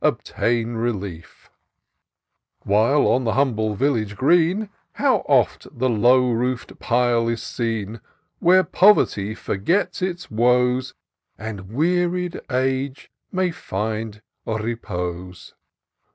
obtain relief; While, on the humble village green, How oft the low roof 'd pile is seen, Where poverty forgets its woes. And wearied age may find repose.